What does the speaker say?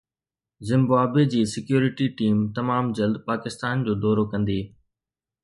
Zimbabwe جي security team تمام جلد پاڪستان جو دورو ڪندي